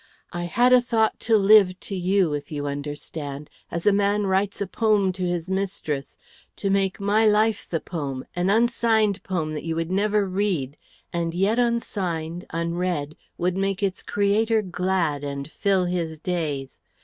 I had a thought to live to you, if you understand, as a man writes a poem to his mistress, to make my life the poem, an unsigned poem that you would never read, and yet unsigned, unread, would make its creator glad and fill his days.